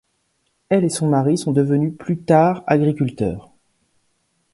Elle et son mari sont devenus plus tard agriculteurs.